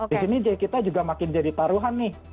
di sini kita juga makin jadi taruhan nih